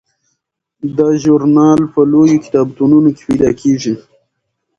دا ژورنال په لویو کتابتونونو کې پیدا کیږي.